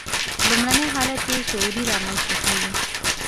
لومړنی حالت یې شعوري رامنځته کېږي.